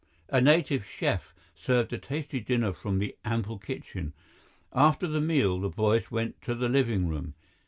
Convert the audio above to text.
A native chef served a tasty dinner from the ample kitchen. After the meal, the boys went to the living room.